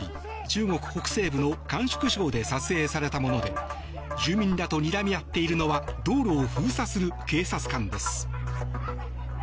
中国北西部の甘粛省で撮影されたもので住民らとにらみ合っているのは道路を封鎖する警察官です。